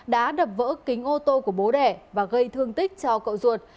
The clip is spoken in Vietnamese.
đã đập vỡ kính ô tô của bố đẻ và gây thương tích cho cậu ruột